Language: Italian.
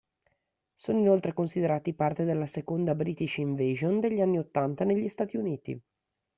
Sono inoltre considerati parte della seconda british invasion degli anni ottanta negli Stati Uniti.